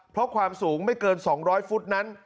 เพราะความสูงไม่เกิน๒๐๐ฟุตนั้น